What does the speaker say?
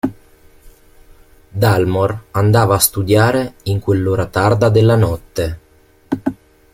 Dalmor andava a studiare in quell'ora tarda della notte.